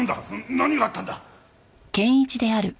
何があったんだ！？